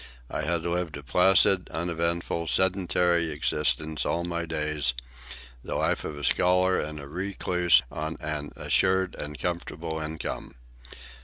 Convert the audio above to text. I had lived a placid, uneventful, sedentary existence all my days—the life of a scholar and a recluse on an assured and comfortable income.